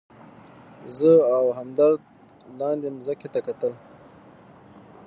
زه او همدرد لاندې مځکې ته کتل.